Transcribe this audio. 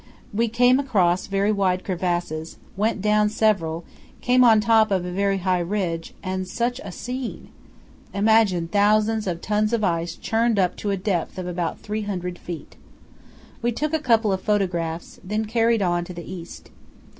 We came across very wide crevasses, went down several, came on top of a very high ridge, and such a scene! Imagine thousands of tons of ice churned up to a depth of about 300 ft. We took a couple of photographs, then carried on to the east.